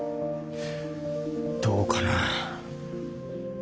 どうかな。